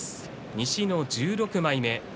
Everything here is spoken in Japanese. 西の１６枚目。